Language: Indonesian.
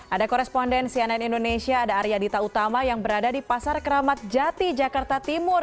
ada koresponden cnn indonesia ada arya dita utama yang berada di pasar keramat jati jakarta timur